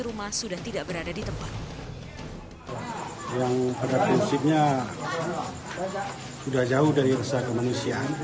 rumah sudah tidak berada di tempat yang pada prinsipnya sudah jauh dari rusak kemanusiaan